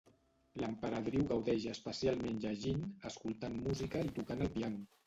L'emperadriu gaudeix especialment llegint, escoltant música i tocant el piano.